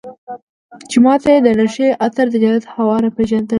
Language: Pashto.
چې ما ته يې د نشې اثر د جنت هوا راپېژندله.